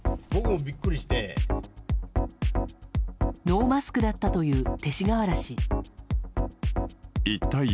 ノーマスクだったという勅使河原氏。